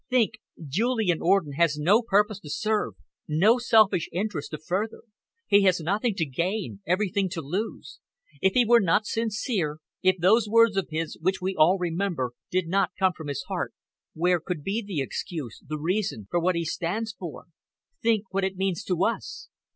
Think! Julian Orden has no purpose to serve, no selfish interest to further. He has nothing to gain, everything to lose. If he were not sincere, if those words of his, which we all remember, did not come from his heart, where could be the excuse, the reason, for what he stands for? Think what it means to us!"